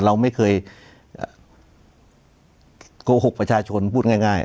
เราไม่เคยโกหกประชาชนพูดง่าย